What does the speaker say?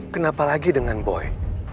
kenapa lagi dengan boy